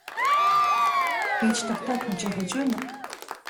гэж дотоод хүн чинь хэлж байна уу?